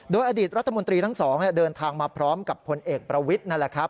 โดยอดีตรัฐมนตรีทั้งสองเดินทางมาพร้อมกับพลเอกประวิทย์นั่นแหละครับ